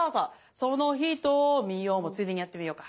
「その瞳を」もついでにやってみようか。